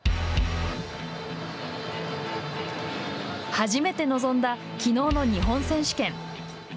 初めて臨んだきのうの日本選手権。